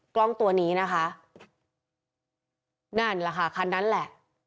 กล้องตัวนี้นะคะนั่นแหละค่ะคันนั้นแหละ